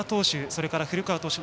それから古川投手